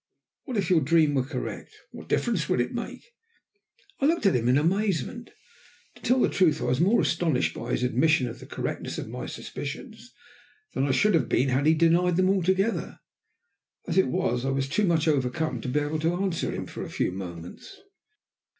"What if your dream were correct? What difference would it make?" I looked at him in amazement. To tell the truth I was more astonished by his admission of the correctness of my suspicions than I should have been had he denied them altogether. As it was, I was too much overcome to be able to answer him for a few moments.